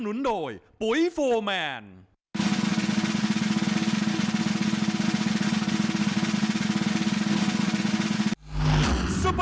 โอ้โหเดือดจริงครับ